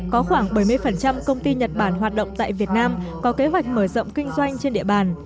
có khoảng bảy mươi công ty nhật bản hoạt động tại việt nam có kế hoạch mở rộng kinh doanh trên địa bàn